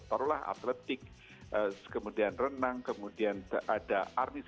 barulah atletik kemudian renang kemudian ada arnis